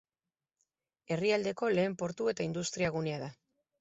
Herrialdeko lehen portu eta industriagunea da.